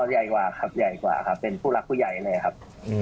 ใหญ่กว่าครับใหญ่กว่าครับเป็นผู้รักผู้ใหญ่เลยครับ